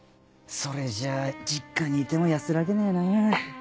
それじゃあ実家にいても安らげねえな。